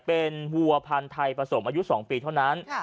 เป็นวัวพรรณไทยประสงค์อายุ๒ปีเท่านั้น